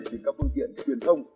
từ các phương tiện truyền thông